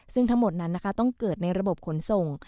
ซึ่งทั้งหมดนั้นนะคะต้องเกิดในระบบขนส่ง